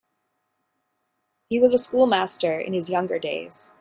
He was a schoolmaster in his younger days.